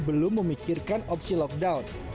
belum memikirkan opsi lockdown